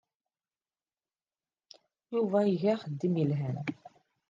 Yuba iga axeddim yelhan.